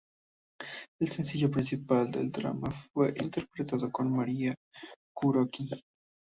El sencillo principal del drama fue interpretado por Marina Kuroki.